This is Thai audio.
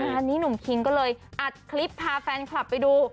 งานนี้หนุ่มคิงก็เลยอัดคลิปพาแฟนคลับไปดู